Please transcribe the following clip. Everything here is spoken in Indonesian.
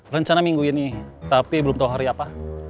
rencana minggu ini tapi belum tahu hari apa